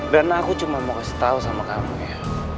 dan aku cuma mau kasih tau sama kamu ya